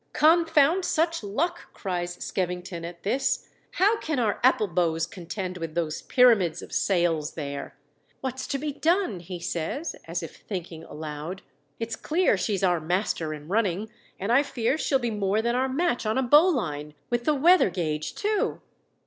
"Confound such luck!" cries Skevin^ton at this. " How can our apple bows contend with those pyramids of sails there ? What's to be done?" he says, as if thinking aloud. " It's clear she's our master in runnino , and I fear she'll be more than our match on a bowline — with the weather saee too